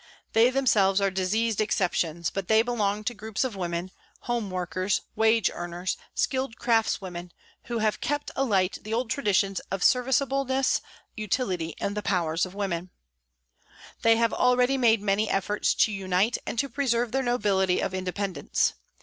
They themselves are diseased exceptions, but they belong to groups of women, home workers, wage earners, skilled craftswomen, who have kept alight SOME TYPES OF PRISONERS 135 the old traditions of serviceableness, utility, and the powers of women. They have already made many efforts to unite and to preserve their nobility of independence.